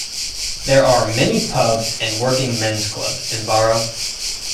There are many pubs and working men's clubs in Barrow.